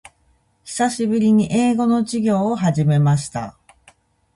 久しぶりに英語の勉強を始めました。